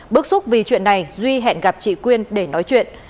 bức xúc vì chuyện này duy hẹn gặp chị quyên để nói chuyện